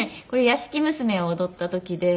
『屋敷娘』を踊った時で。